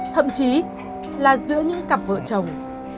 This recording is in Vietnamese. thậm chí là giữa những cặp vợ chồng